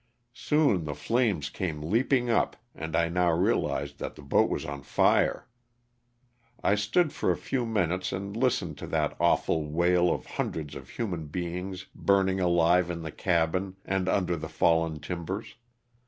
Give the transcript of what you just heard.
Soon the flames came leaping up and I now realized that the boat was on fire. I stood for a few minutes and list ened to that awful wail of hundreds of human beings burning alive in the cabin and under the fallen timbers.